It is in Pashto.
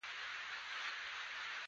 احمد له اسمانه ښوروا راکښته کوي.